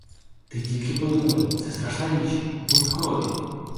Ти тільки подумай: це страшна річ — бунт крові!